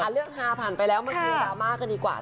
เรื่องนี้ผ่านไปแล้วจังเรียกรามากกันดีกว่า